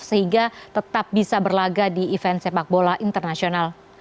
sehingga tetap bisa berlaga di event sepak bola internasional